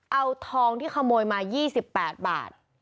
เอาทองที่ขโมยมา๒๘บาท